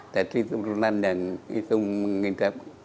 jadi turunan yang itu mengidap